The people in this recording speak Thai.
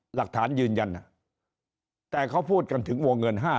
หลักฐานยืนยันแต่เขาพูดกันถึงวงเงิน๕๐๐